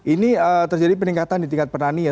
ini terjadi peningkatan di tingkat petani ya